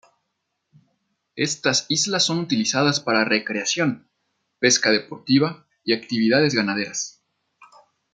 Estas islas son utilizadas para recreación, pesca deportiva, y actividades ganaderas.